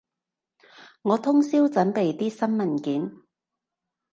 我通宵準備啲新文件